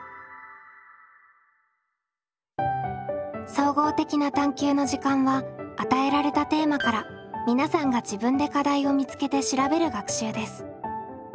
「総合的な探究の時間」は与えられたテーマから皆さんが自分で課題を見つけて調べる学習です。